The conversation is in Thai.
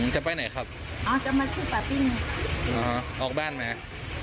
จะไปไหนครับอ๋อจะมาซื้อปลาปิ้งอ๋อฮะออกแบนไหม